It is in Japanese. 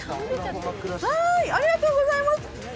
ありがとうございます。